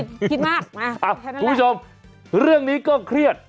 คิดมากมาแค่นั้นแหละคุณผู้ชมเรื่องนี้ก็เครียด